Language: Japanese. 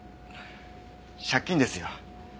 借金ですよ。